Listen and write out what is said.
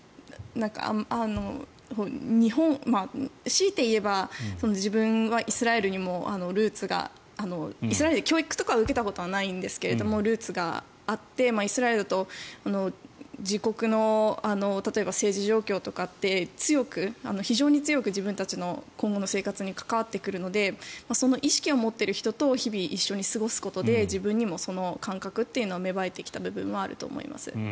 強いて言えば自分はイスラエルにもルーツがイスラエルで教育とかは受けたことはないんですがルーツがあってイスラエルと自国の例えば、政治状況とかって非常に強く自分たちの今後の生活に関わってくるのでその意識を持っている人と日々、一緒に過ごすことで自分にも、その感覚というのが芽生えてきた部分もあると思います。